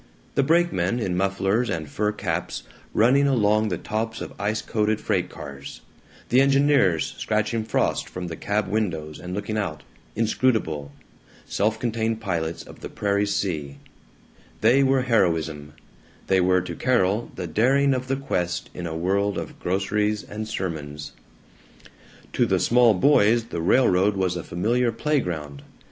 The brakemen, in mufflers and fur caps, running along the tops of ice coated freight cars; the engineers scratching frost from the cab windows and looking out, inscrutable, self contained, pilots of the prairie sea they were heroism, they were to Carol the daring of the quest in a world of groceries and sermons. To the small boys the railroad was a familiar playground.